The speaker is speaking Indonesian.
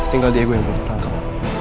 tinggal diego yang belum ketangkep